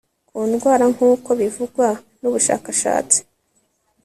ku ndwara nkuko bivugwa nubushakashatsi